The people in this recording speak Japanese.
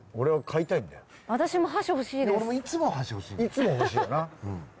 いつも欲しいよな。